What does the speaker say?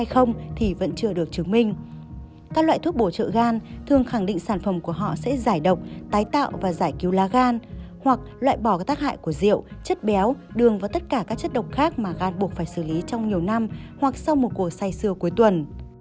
hoặc loại bỏ các tác hại của rượu chất béo đường và tất cả các chất độc khác mà gan buộc phải xử lý trong nhiều năm hoặc sau một cuộc say sưa cuối tuần